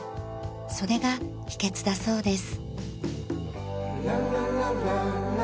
それが秘訣だそうです。